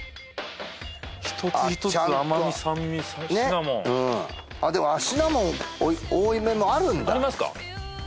一つ一つ甘み酸味シナモンでもシナモン多めもあるんだありますか